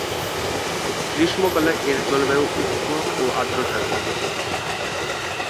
গ্রীষ্মকালে এর জলবায়ু উষ্ণ ও আর্দ্র থাকে।